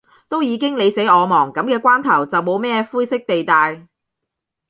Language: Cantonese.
都已經你死我亡，噉嘅關頭，就冇咩灰色地帶